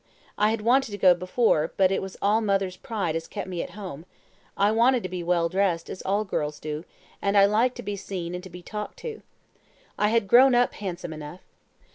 I had wanted to go before, but it was all mother's pride as kept me at home; I wanted to be well dressed, as all girls do, and I liked to be seen and to be talked to. I had grown up handsome enough.